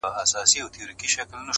o څه وڼی پاته، څه کوسی پاته!